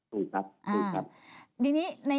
ถูกครับ